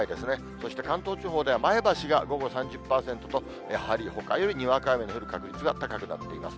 そして関東地方では前橋が午後３０％と、やはりほかよりにわか雨の降る確率が高くなっています。